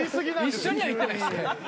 一緒には行ってないですよ。